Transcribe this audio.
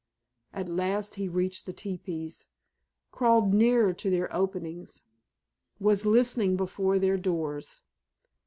At last he reached the teepees. Crawled nearer to their openings. Was listening before their doors.